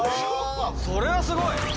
それはすごい！